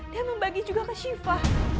dan membagi juga ke syifa